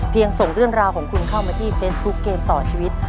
ส่งเรื่องราวของคุณเข้ามาที่เฟซบุ๊คเกมต่อชีวิต